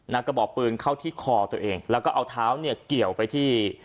กระบอกปืนเข้าที่คอตัวเองแล้วก็เอาเท้าเนี่ยเกี่ยวไปที่